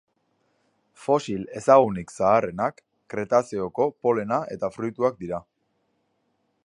Fosil ezagunik zaharrenak Kretazeoko polena eta fruituak dira.